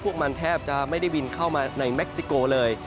พวกมันแทบจะไม่ได้บินเข้ามาในเม็กซิโกเลย